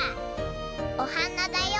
おはなだよ。